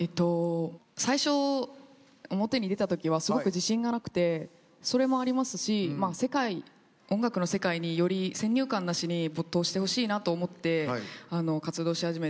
最初表に出た時はすごく自信がなくてそれもありますし音楽の世界により先入観なしに没頭してほしいなと思って活動し始めて。